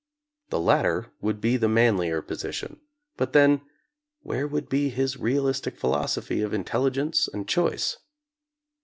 The latter would be the manlier position, but then where would be his realistic philosophy of intelli gence and choice 4